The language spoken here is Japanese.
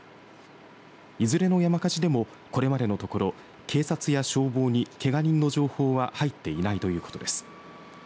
いずれの山火事でもこれまでのところ、警察や消防にけが人の情報は入っていないということです。